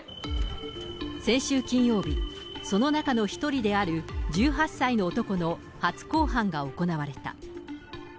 先週金曜日、その中の一人である１８歳の男の初公判が行われた。